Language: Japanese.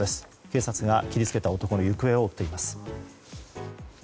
警察が切り付けた男の行方を追っています。